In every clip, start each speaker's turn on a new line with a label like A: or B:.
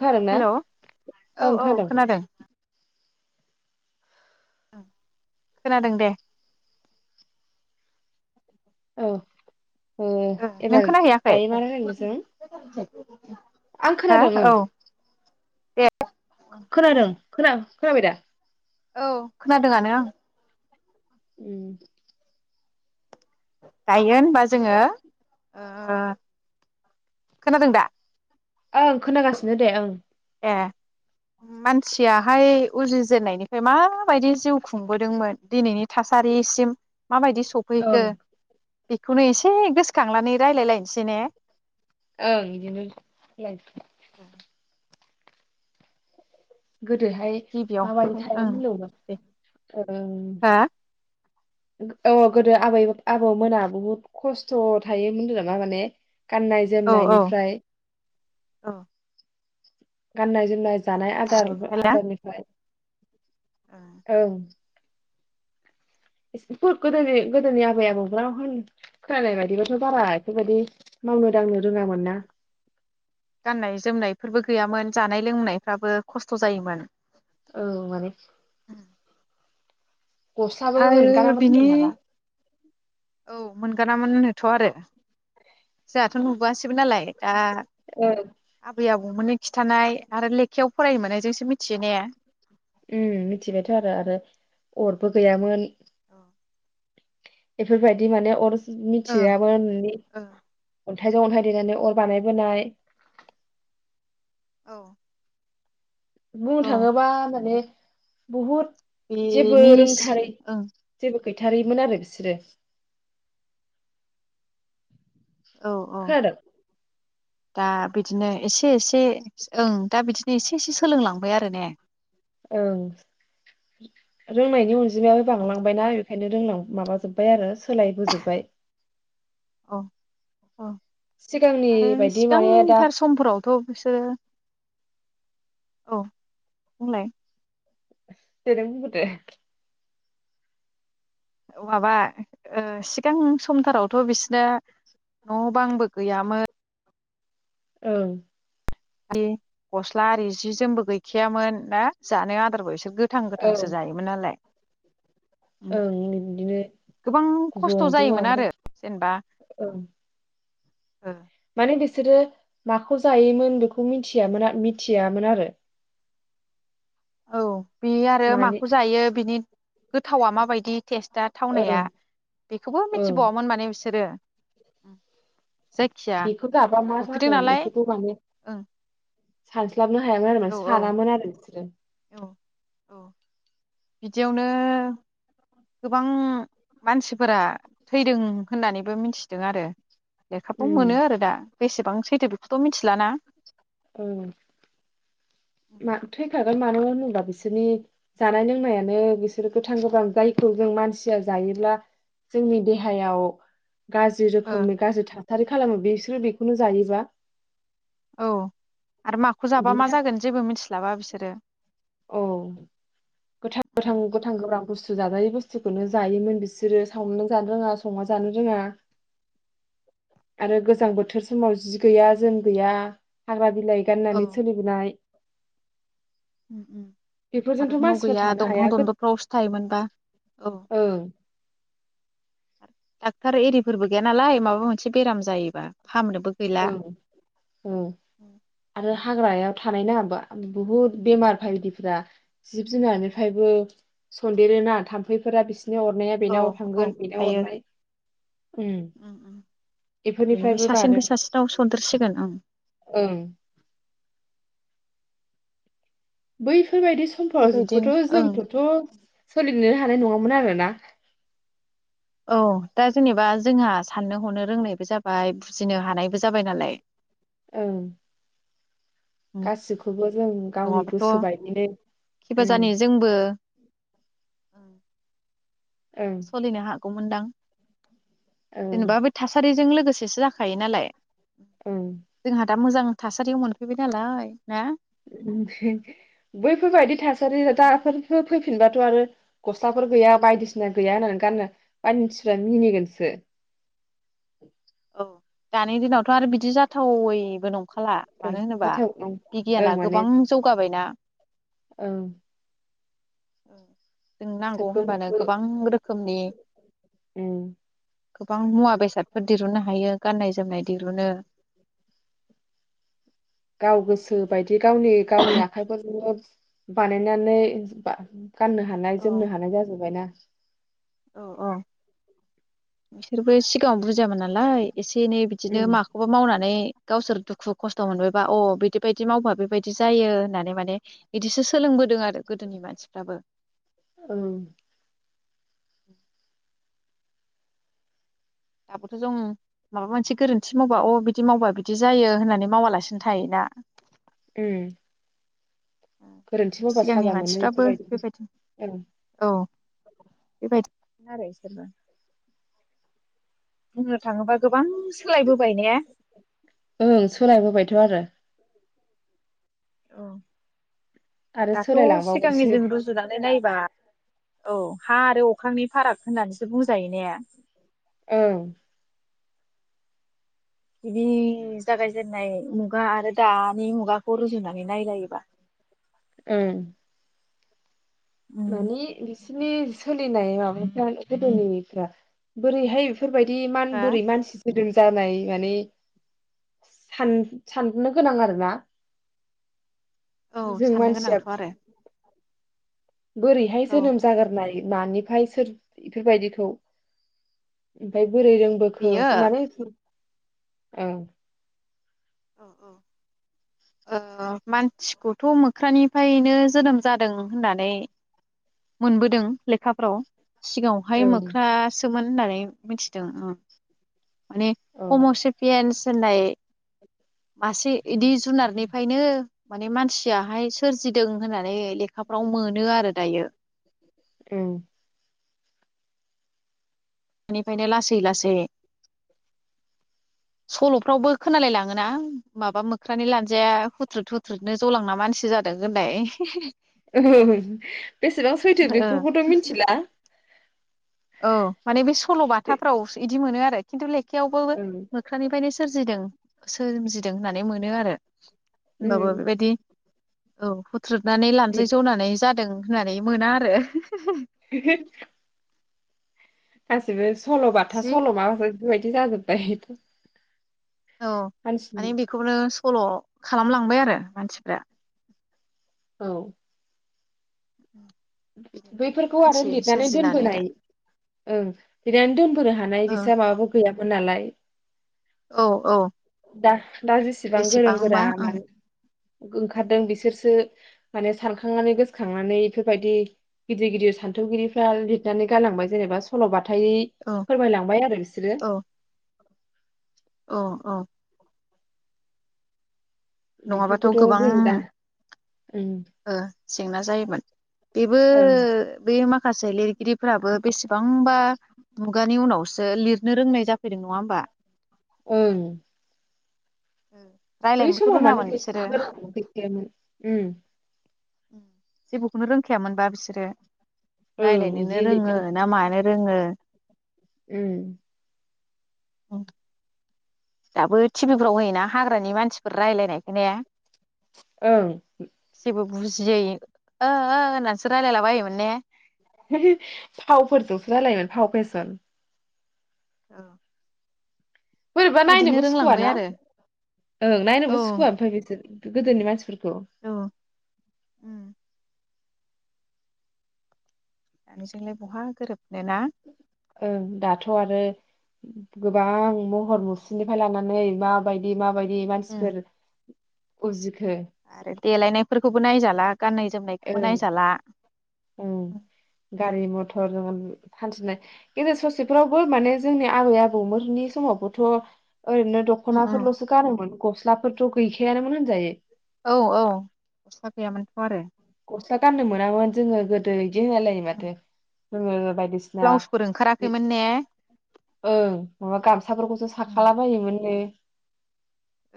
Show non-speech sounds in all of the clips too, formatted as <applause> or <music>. A: खोनादोंना?
B: हेलौ औ
A: ओं
B: औ
A: खोनादों।
B: खोनादों दे।
A: औ ओ
B: नों
A: एबार
B: खोनाहैयाखै
A: दायो मा रायलायनो जों?
B: <unintelligible>
A: आं
B: हो
A: खोनादों ओं
B: औ दे
A: खोनादों
B: बुंलाय
A: खोना खोनाबायदा?
B: औ खोनादोंआनो आं
A: उम
B: गायगोन होनबा जोङो ओ खोनादों दा?
A: ओं खोनागासिनो दे ओं
B: ए मानसियाहाय उजिजेननायनिफ्राय माबायदि जिउ खुंबोदोंमोन दिनैनि थासारिसिम माबायदि
A: ओं
B: सफैखो बेखौनो एसे गोसोखांलानै रायलाय लायनसै ने
A: ओं बिदिनो <unintelligible> गोदोहाय
B: गिबियाव
A: माबा माबि
B: ओं
A: थायोमोन होनलाय
B: दे
A: इयाव?
B: हा
A: ओ! औ गोदो आबै आबौमोना बुहुत खस्थ' थायोमोन ओनदो नामा माने गाननाय
B: औ औ
A: जोमनायनिफ्राय
B: औ
A: गाननाय जोमनाय जानाय आदार आदारनिफाय ओं इसिबो गोदोनि गोदोनि आबै आबौफ्रा होन खोनानाय बादिबाथ' बारा इफोरबायदि मावनो दांनो रोङामोन ना
B: गाननाय जोमनायफोरबो गैयामोन जानाय लोंनायफ्राबो खस्थ' जायोमोन।
A: औ माने गस्लााबो
B: आरो
A: मोनगानामोन
B: बिनि
A: होनदों नामा?
B: औ मोनगानामोन नोथ' आरो जोहाथ' नुबो आसैबो नालाय। दा
A: ओ
B: आबै आबौ बौ मोननि खिथानाय आरो लेखायाव फरायनो मोननाय जोंसो मिथियो ने
A: उम मिथिबायथ' आरो आरो अरबो गैयामोन
B: ओ
A: बेफोरबायदि माने अर मिथियाबा नुनि
B: ओ
A: अन्थाइजों अन्थाइ देनानै अर बानायबोनाय
B: औ
A: बुंनो
B: औ
A: थाङोबा माने बुहुत जेबो
B: बेनि सि
A: रोंथारै
B: ओं
A: जेबो गैथारैमोन आरो बिसोरो।
B: औ औ
A: खोनादों
B: दा बिदिनो एसे एसे ओं दा बिदिनो एसे एसे सोलोंलांबाय आरो ने
A: ओं रोंनायनि अन दिनाबो
B: औ
A: बांलांबायनाओ खायनो रोंलां माबा जोब्बाय आरो सोलायबोजोब्बाय
B: अ‌ आरो
A: सिगांनि बायदि माने दा
B: सिगांथार समफोरावथ' बिसोरो औ बुंलाय
A: दे नों बुंगोरदो।
B: औ माबा ओ सिगां समथारावथ' बिसनो न' बांबो गैयामोन
A: ओं
B: <unintelligible> गस्ला आरि जि जोमबो गैखायामोन ना जानो आदार बयस गोथां
A: औ
B: गोथांसो जायोमोन नालाय
A: ओं बिब्दिनो
B: गोबां खस्थ'
A: जंजों
B: जायोमोन
A: माबाजों
B: आरो
A: ओं।
B: ओ
A: माने बिसोरो माखौ जायोमोन बेखौ मिनथियामोन मिथियामोन आरो।
B: औ बि आरो
A: माने
B: माखौ जायो बिनि गोथावा माबायदि टेस्टा थावनाया
A: ओं
B: बेखौबो
A: ओं
B: मिथिबावामोन माने बिसोरो उम
A: बेखौ गाबा मा जागोन एखौथ' माने
B: ओं
A: साल स्लाबनो हायामोन आरो मा
B: औ
A: सानामोन आरो बिसोरो।
B: औ औ बिदियावनो गोबां मानसिफोरा थैदों होननानैबो मिनथिदों आरो लेखाबो
A: ओम
B: मोनो आरो दा बेसेबां सैथो बेखौथ' मिथिलाना।
A: ओ मा थैखागोन मानो मोनोला बिसोनि जानाय लोंनायानो बिसोरो गोथां गोबां जायखौ जों मानसिया जायोब्ला जोंनि देहायाव गाज्रि
B: ओ
A: रोखोमनि गाज्रि थाथारि खालामो बेस जों बेखौनो जायोबा
B: औ आरो माखौ जाबा
A: बिनि
B: मा
A: थाखाय
B: जागोन जेबो मिथिस्लाबा बिसो सोरो
A: औ गोथां गोब्राब बुसथु जाजायै बुस्थुखौनो जायोमोन बिसोरो सावनाबो जानो रोङा संना जानो रोङा आरो गोजां बोथोर समाव जि गैया जोम गैया हाग्रा बिलाइ
B: औ
A: गाननानै सोलिबोनाय
B: आरो
A: बेफोरजोंथ'
B: न'
A: मानसिफ्रा
B: गैया
A: थानो हाया
B: दंफां दनदरफ्रावसो थायोमोनबा औ
A: ओं
B: डाक्टार एरिफोरबो गैया नालाय माबा मोनसे बेराम जायोबा फाहामनोबो गैला
A: ओं ओं आरो हाग्राया थानाय नङा बुहुत बेमार बायदिफोरा जिब जुनारनिफ्रायबो सनदेरोना थाम्फैफोरा बिसि बिनि अरनाया
B: औ
A: बेनाव
B: औ
A: थांगोन बेनाव
B: थायो
A: अरनाय ओम बेफोरनिफ्रायबो बारो
B: दाव सनदेरसिगोन ओं
A: ओं बै फोयबायदि समफावबोथ'
B: बेबायदिनो ओं
A: जोंफोथ' सोलिनोनो हानाय नङा मोन आरोना
B: औ दा जेनेबा जोंहा साननो हनो रोंनायबो जाबाय बुजिनो हानायबो जाबाय नालाय
A: ओं गासिखौबो जों गावनि
B: नङाबाथ'
A: गोसोबायदिनो ओम
B: औ
A: ओं
B: सलिनो हा गौमोनदां
A: ओं
B: जेनेबा बे थासारिजों जों लोगोसेसो जाखायो नालाय।
A: ओं
B: जोंहा दा मोजां थासारियाव मोनफैबाय नालाय ना
A: बैफोरबायदि थासारि दाफोर फैफिनबाथ' आरो गस्लाफोर गैया बायदिसिना गैया होननानै गानो मानसिफ्रा मिनिगोनसो
B: औ दानि दिनावथ' आरो बिदि जाथावैबो नं नंखाला
A: ओं
B: मानो होनोबा
A: हाथाव ओं
B: बिगियाना
A: ओं माने
B: गोबां जौगाबायना
A: ओं
B: औ जों नांगौ
A: सोखो
B: होनबानो
A: मोखो
B: गोबां रोखोमनि
A: ओं
B: गोबां मुवा बेसादफोर दिरुननो हायो गाननाय जोमनाय दिरुनो
A: गाव गोसो बायदि जि गावनि गावनि आखाइफोरजोंनो बानायनानै गाननो हानाय
B: औ
A: जोमनो हानाय जाजोब्बायना
B: औ अ बिसोरबो सिगाङाव बुज बुजियामोन नालाय एसे एनै बिदिनो
A: ओम
B: माखौबा मावनानै गावसोर दुखु खस्थ' मोनबोबा अ बिदि बदि मावबा बेबायदि जायो होननानै माने इदिसो सोलोंबोदों आरो गोदोनि मानसिफ्राबो
A: ओं
B: <inaudible> दाबोथ' जों माबा मोनसे गोरोन्थि मावबा अ बिदि मावबा बिदि जायो होननानै मावालासिनो थायोना।
A: उम गोरोन्थि मावबा
B: सिगांनि
A: साजा मोनो
B: मानसिफ्राबो
A: एफोरबायदि ओं
B: बेबाय नो आरो इसोरबो। बुंनो थाङोबा गोबां सोलायबोबाय ने
A: ओं सोलायबोबायथ' आरो
B: अं
A: आरो
B: दाथ' सिगांनि
A: सोलायलांबावगोनसो
B: जों रुजुनानै नायबा औ हा आरो अख्रांनि फाराग होननानैसो बुंजायो ने
A: ओं
B: बिदि जागायजेेननाय मुगा आरो दानि मुगाखौ रुजुनानै नायलायोबा
A: ओं
B: उम
A: माने बिस सिनि सोलिनाय माबाफ्रा गोदोनिनिफ्रा बोरैहाय फोरबायदि मान
B: हो
A: बोरै मानसि गुदुं जानाय माने साननो गोनां आरो ना
B: औ साननो गोनांथ' आरो
A: बोरैहाय
B: औ
A: जोनोम जागोरनाय? नानिफ्राय सोर बेफोरबायदिखौ ओमफाय बोरै रोंबोखो
B: बेयो
A: माने ओं
B: औ औ ओ मानसिखौथ' मोख्रानिफायनो जोनोम जादों होननानै मोनबोदों लेखाफ्राव। सिगाङावहाय
A: ओं
B: मोख्रा सोमोन। होननानै मिथिदों ओं माने
A: औ
B: हम'सेफियेनस होन्नाय मासे इदि जुनारनिफायनो माने मान सियाहाय सोरजिदों होननानै लेखाफ्राव मोनो आरो दायो।
A: उम
B: निफ्रायनो लासै लासै सल'फ्रावबो खोनालाय लाङोना माबा मोख्रानि लान्जाया हुथ्रुद हुथ्रुदनो जलांना मानसि जादों होनाय <unintelligible>
A: ओं बेसेबां सैथो
B: ओ
A: बेफोरखौथ' मिनथिला
B: औ माने बे सल' बाथाफ्रावस इदि मोनो आरो। खिन्थु ले खायावबो
A: ओं
B: मोख्रानि फायनो सोरजिदों सोमजिदों होननानै मोनो आरो होनबाबो
A: उम
B: बेबायदि औ फु थ्रुदनानै लानजाइ जनानै जादों होननानै मोना आरो <unintelligible>
A: <unintelligible> गासिबो सल'बाथा
B: जि
A: सल' मा फोर बे बायदि जाजोब्बाय
B: औ
A: मानसिनि
B: माने बिखौनो सल' खालामलांबाय आरो मानसिफ्रा।
A: औ
B: बेनिफ्रायनो
A: बैफोरखौ आरो
B: मानसि
A: लिदनानै
B: सोरजिनानै दा
A: दोनबोनाय ओं लिदनानै दोनबोनो हानाय
B: औ
A: बिसा माबाबो गैया। मोन नालाय
B: औ औ
A: दा दा जेसेबां गोरों गोरा
B: बेसेबांबा ओं
A: मानो ओंखारदों बिसोरसो माने सारखांनानै गोसोखांनानै इफोबायदि गिदिर गिदिर सान्थौगिरिफ्रा लिदनानै गालांबाय जेनेबा सल'बाथ थाय
B: औ
A: फोरमायलांबाय आरो बिसोरो।
B: औ औ औ नङाबाथ'
A: बेफोरखौथ'
B: गोबां
A: जों दा ओं
B: ओ जेंना जायोमोन। बेबो
A: ओं
B: बे मा खासे लिरगिरिफ्राबो बेसिबां बांबा मुगानि उनाव सो लिरनो रोंनाय जाफैदों। नङा होमबा?
A: ओं बै
B: रायलायनोबोथ'
A: समाव माने
B: रोङामोन बिसोरो
A: <inaudible> गैखायामोन उम।
B: जेबोखौनो रोंखायामोनबा बिसोरो
A: ओं
B: राय्लायनोनो
A: बिदि
B: रोङो
A: लिरना
B: ना मानो रोङो।
A: ओम
B: औ दाबो टिभिफ्राव होयोना हाग्रानि मानसिफोर रायलायनायखो ने
A: ओं
B: जेबो बुजियै ओ ओ होननानैसो रायलायला बायोमोन ने
A: हो‌ हो फावफोरजोंसो रालायोमोन फाव फेसन
B: औ
A: बोरैबा नायनोबो सुखुवाना
B: आरो
A: ओं
B: औ
A: नायनोबो सुखुवा ओमफाय बिसोर गोदोनि मानसिफोरफोरखौ द'
B: औ उम दानिजोंलाय बहा गोरोब
A: ओं दाथ' आरो गोबां महर मुस्रिनिफ्राय लानानै माबायदि माबाय बि
B: उम
A: मानसिफोर उजिक हो
B: देलायनाय फोरखौबो नायजाला गाननाय जोमनायखौबो
A: ओं
B: नायजाला।
A: हरजों हर हानथिनाय गेजेर ससेफोरावबो माने जोंनि आबै आबौमोननि समावबोथ' ओरैनो
B: उम
A: दख'नाफोरल'सो गानोमोन गस्लाफोरथ' गैखायानोमोन होनजायो
B: औ औ गस्ला गैयामोनथ' आरो
A: गस्ला गाननो मोनामोन जोङो गोदै। <unintelligible> होलायो माथो <unintelligible> दिसिना
B: ब्लाउसफोर
A: बि
B: ओंखाराखैमोन ने
A: ओं माबा गामसाफोरखौसो साखाला बोमोननो।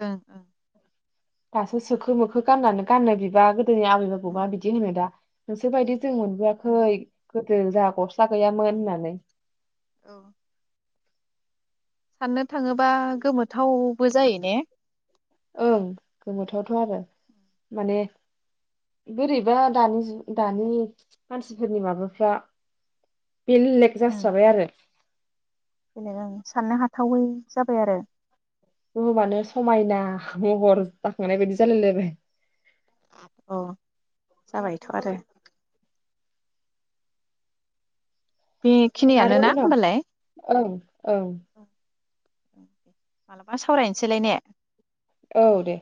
B: ओं ओं
A: दासो सोखो मोखो गाननानै गाननो बिबा गो जोंनि आबै आबबा
B: ओं
A: बिदि होनो दा गोसो बायदि जों
B: ओं
A: मोनबोआखै गोदो जा गस सा गैयामोन होननानै
B: औ साननो थाङोबा गोमोथावबो जायो ने
A: ओं गोमोथावथ' आरो माने बोरैबा दानि दानि मानसिफोरनि माबाफ्रा। बेल लेक
B: उम
A: जास्राबाय आरो
B: बेलेग आं साननो हाथावै जाबाय आरो
A: बुहुमानो समायना महर जाखांनाय बायदि जालायलायबाय।
B: अ जाबायथ' आरो बेखिनियानो
A: आरो
B: ना
A: उनाव
B: होमबालाय
A: ओं ओं
B: मालाबा सावरायनोसैलाय ने।
A: औ दे